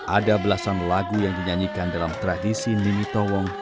ada belasan lagu yang dinyanyikan dalam tradisi minitowong